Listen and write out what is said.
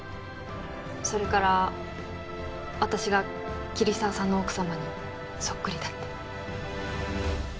それから私が桐沢さんの奥様にそっくりだって。